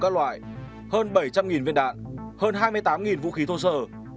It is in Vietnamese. các loại hơn bảy trăm linh viên đạn hơn hai mươi tám vũ khí thô sơ